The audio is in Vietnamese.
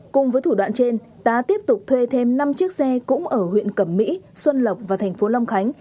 cùng với thủ đoạn trên tá tiếp tục thuê thêm năm chiếc xe cũng ở huyện cẩm mỹ xuân lộc và thành phố long khánh